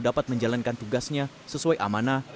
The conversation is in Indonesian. dapat menjalankan tugasnya sesuai amanah